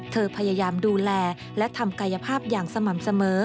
พยายามดูแลและทำกายภาพอย่างสม่ำเสมอ